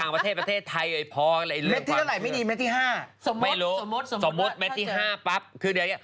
สมมติแม้ที่๕ปั๊บคือเดี๋ยวอย่างเงี้ย